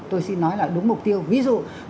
tôi xin nói là đúng mục tiêu